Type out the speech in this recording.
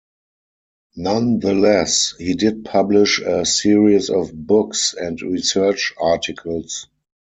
Nonetheless, he did publish a series of books and research articles.